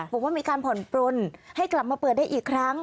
บอกว่ามีการผ่อนปลนให้กลับมาเปิดได้อีกครั้ง